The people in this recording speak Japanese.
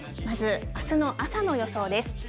まず、あすの朝の予想です。